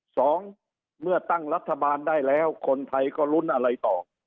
สองเมื่อตั้งรัฐบาลได้แล้วคนไทยก็ลุ้นอะไรต่อ